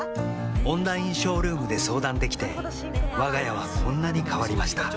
オンラインショールームで相談できてわが家はこんなに変わりました